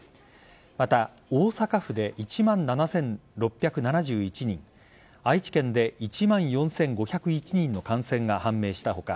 また、大阪府で１万７６７１人愛知県で１万４５０１人の感染が判明した他